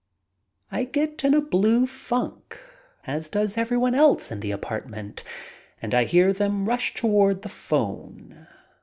I get in a blue funk, as does everyone else in the apartment, and I hear them rush toward the phone.